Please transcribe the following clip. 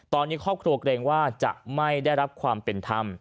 ตอนนี้ครอบครัวเกรงว่าจะไม่ได้รับความเป็นธรรม